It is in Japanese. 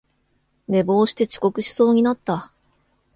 寝坊して遅刻しそうになった